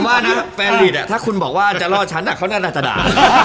ว่านะแฟนลีดถ้าคุณบอกว่าจะรอดฉันเขาน่าจะด่า